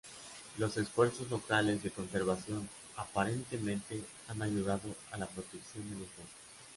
Los esfuerzos locales de conservación aparentemente han ayudado a la protección de los bosques.